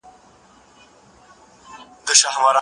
خوږو، چاکلیټو او پروسس شويو خوړو ډډه کول ګټور دي.